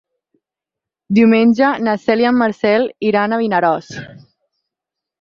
Diumenge na Cel i en Marcel iran a Vinaròs.